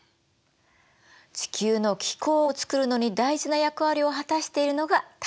地球の気候をつくるのに大事な役割を果たしているのが太陽よ。